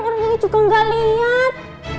uya juga gak liat